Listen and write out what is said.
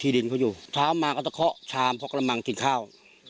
ดินเขาอยู่เช้ามาก็จะเคาะชามเพาะกระมังกินข้าว